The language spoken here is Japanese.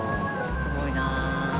すごいな。